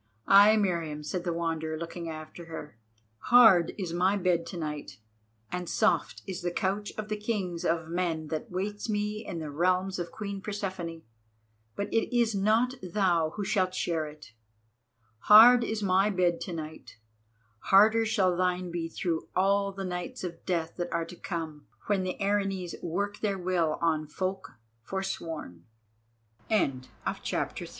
"Ay, Meriamun," said the Wanderer, looking after her. "Hard is my bed to night, and soft is the couch of the kings of Men that waits me in the realms of Queen Persephone. But it is not thou who shalt share it. Hard is my bed to night, harder shall thine be through all the nights of death that are to come when the Erinnyes work their will on folk forsworn." CHAPTER IV.